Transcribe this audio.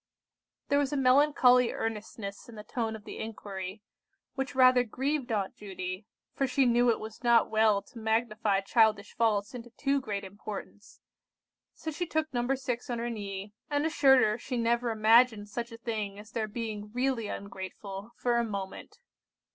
There was a melancholy earnestness in the tone of the inquiry, which rather grieved Aunt Judy, for she knew it was not well to magnify childish faults into too great importance: so she took No. 6 on her knee, and assured her she never imagined such a thing as their being really ungrateful, for a moment.